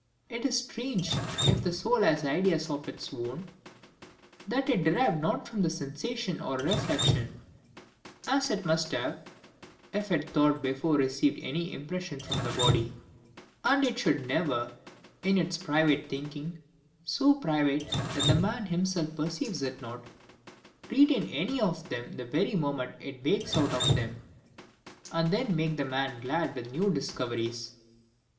It is strange, if the soul has ideas of its own that it derived not from sensation or reflection, (as it must have, if it thought before it received any impressions from the body,) that it should never, in its private thinking, (so private, that the man himself perceives it not,) retain any of them the very moment it wakes out of them, and then make the man glad with new discoveries.